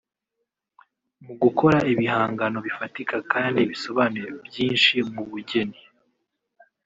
mu gukora ibihangano bifatika kandi bisobanuye byinshi mu bugeni